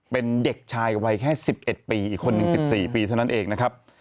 เป็นเด็กชายวัยแค่๑๑ปีอีกคนหนึ่ง๑๔ปีเท่านั้นเองนะครับ